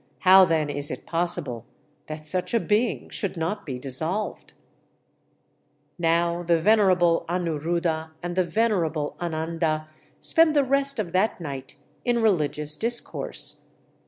How then is it possible [that such a being should not be dissolved]?'" Now the venerable Anuruddha and the venerable Ananda spent the rest of that night in religious discourse.